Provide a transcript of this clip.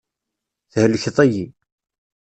Thelkeḍ-iyi.